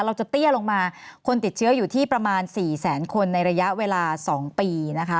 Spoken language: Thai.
เราจะเตี้ยลงมาคนติดเชื้ออยู่ที่ประมาณ๔แสนคนในระยะ๒ปี